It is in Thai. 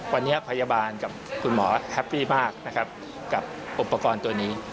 วันนี้พยาบาลกับคุณหมอแฮปปี้มากนะครับกับอุปกรณ์ตัวนี้